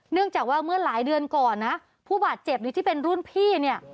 เนื่องจากเมื่อหลายเดือนก่อนผู้บาดเจ็บนี้ที่เป็นรุ่นพี่